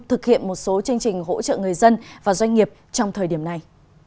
thực hiện một số chương trình hỗ trợ người dân và doanh nghiệp trong thời điểm này